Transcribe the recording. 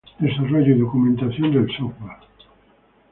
Desarrollo y documentación del software.